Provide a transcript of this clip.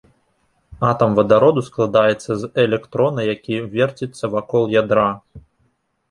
Атам вадароду складаецца з электрона, які верціцца вакол ядра.